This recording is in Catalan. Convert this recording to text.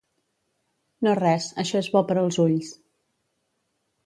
No res, això és bo per als ulls.